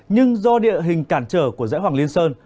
nhưng do địa hình cản trở của dãy hoàng liên sơn